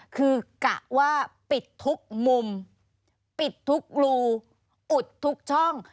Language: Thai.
คือกะว่าปิดทุกมุมปิดทุกรูอุดทุกช่อง